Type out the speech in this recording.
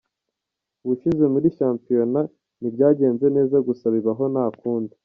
Ubushize muri shampiyona ntibyagenze neza gusa bibaho nta kundi.